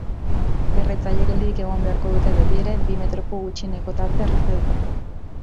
Erretzaileek geldirik egon beharko dute, betiere, bi metroko gutxieneko tartea errespetatuta.